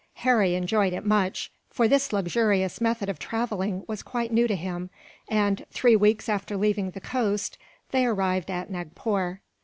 Harry enjoyed it much, for this luxurious method of travelling was quite new to him and, three weeks after leaving the coast, they arrived at Nagpore.